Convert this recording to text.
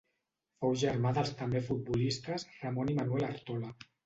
Fou germà dels també futbolistes Ramon i Manuel Artola.